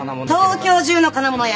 東京中の金物屋！